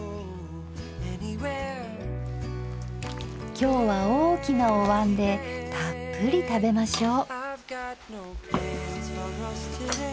今日は大きなお椀でたっぷり食べましょう。